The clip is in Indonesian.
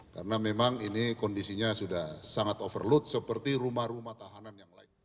karena memang ini kondisinya sudah sangat overload seperti rumah rumah tahanan yang lain